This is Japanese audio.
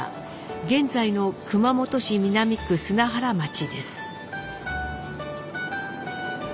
現在の熊本市南区砂原町です。